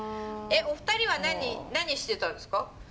お二人は何何してたんですか？